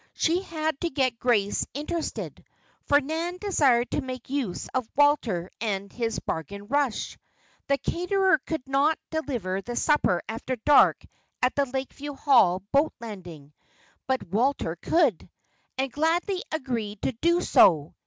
She had to get Grace interested, for Nan desired to make use of Walter and his Bargain Rush. The caterer could not deliver the supper after dark at the Lakeview Hall boat landing; but Walter could, and gladly agreed to do so.